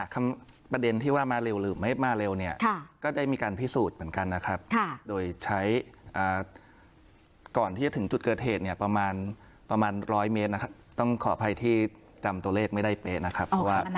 ประเด็นที่ว่ามาเร็วหรือไม่มาเร็วเนี่ยก็ได้มีการพิสูจน์เหมือนกันนะครับโดยใช้ก่อนที่จะถึงจุดเกิดเหตุเนี่ยประมาณ๑๐๐เมตรนะครับต้องขออภัยที่จำตัวเลขไม่ได้เป๊ะนะครับ